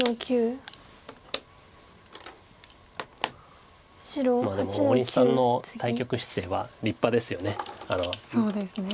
でも大西さんの対局姿勢は立派ですよね。